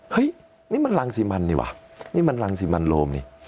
เฮ้ยนี่มันรังสิมันนี่ว่ะนี่มันรังสิมันโรมนี่